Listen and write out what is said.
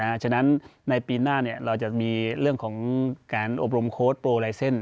ฉะนั้นในปีหน้าเราจะมีเรื่องของการอบรมโค้ดโปรลายเซ็นต์